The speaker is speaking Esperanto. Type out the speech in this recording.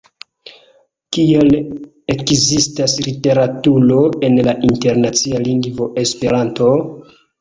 Kial ekzistas literaturo en la internacia lingvo Esperanto?